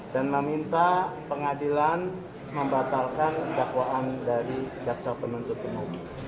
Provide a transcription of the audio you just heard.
dan meminta pengadilan membatalkan dakwaan dari jaksa penuntut umum